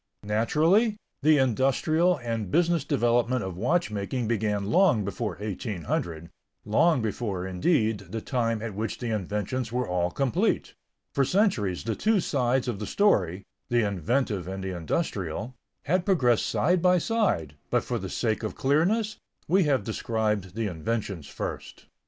Naturally, the industrial and business development of watchmaking began long before 1800, long before, indeed, the time at which the inventions were all complete. For centuries the two sides of the story, the inventive and the industrial, had progressed side by side, but for the sake of clearness, we have described the inventions first.